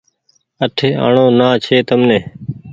آٺي آڻو نا ڇي تمني